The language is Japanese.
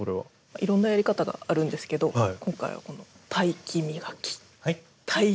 いろんなやり方があるんですけど今回はこのタイキミガキ。